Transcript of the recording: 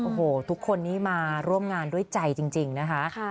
โอ้โหทุกคนนี้มาร่วมงานด้วยใจจริงนะคะ